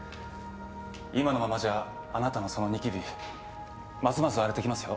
今のままじゃあなたのそのニキビますます荒れてきますよ。